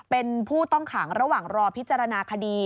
เป็นผู้ต้องขังระหว่างรอพิจารณาคดี